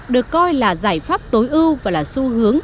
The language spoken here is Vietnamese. được coi là giải pháp tối ưu và là xu hướng